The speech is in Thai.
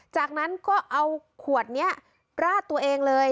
จากนั้นก็เอาขวดนี้ราดตัวเองเลย